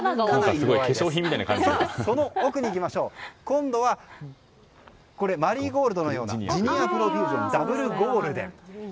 その奥、今度はこちらマリーゴールドのようなジニアプロフュージョンダブルゴールデン。